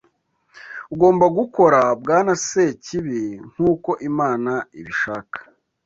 Ugomba gukora, Bwana Sekibi, nkuko Imana ibishaka